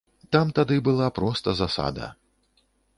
Там тады была проста засада.